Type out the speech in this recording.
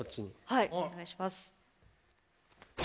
はいお願いします。